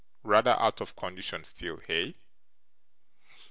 Rather out of condition still, hey?